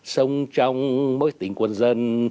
sống trong mối tình quân dân